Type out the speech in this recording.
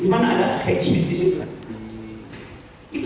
di mana ada hagemis di situ